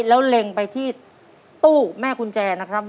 แล้วเล็งไปที่ตู้แม่กุญแจนะครับ